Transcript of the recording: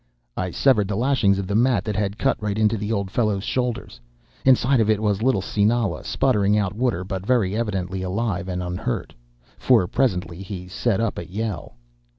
"I severed the lashings of the mat that had cut right into the old fellow's shoulders. Inside of it was little Sinala, spluttering out water, but very evidently alive and unhurt, for presently he set up a yell.